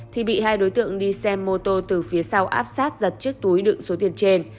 thì bị hai đối tượng đi xe mô tô từ phía sau áp sát giật chiếc túi đựng số tiền trên